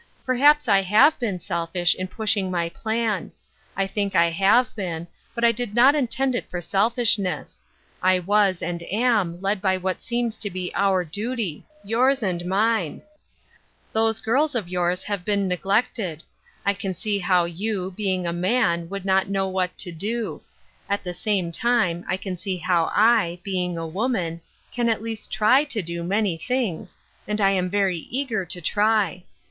Perhaps I have been selfish in pushing my plan ; I think I have been, but I did not intend it for selfishness. I was, and am, led by what seems to be our duty — yours and mine. A Sister Needed, 809 Those girls of yours have been neglected. I can see how you, being a man, would not know what to do ; at the same time I can see how I, being a woman, can at least try to do many things, and I am very eager to try.